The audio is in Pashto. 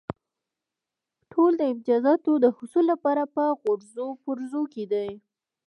ټول د امتیازاتو د حصول لپاره په غورځو پرځو کې دي.